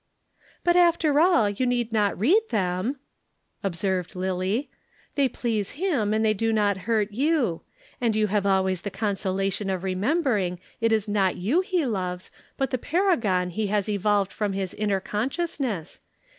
"But after all you need not read them," observed Lillie. "They please him and they do not hurt you. And you have always the consolation of remembering it is not you he loves but the paragon he has evolved from his inner consciousness.